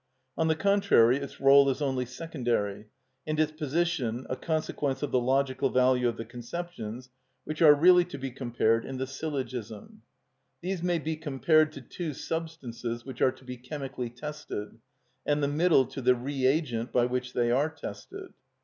On the contrary, its role is only secondary, and its position a consequence of the logical value of the conceptions which are really to be compared in the syllogism. These may be compared to two substances which are to be chemically tested, and the middle to the reagent by which they are tested.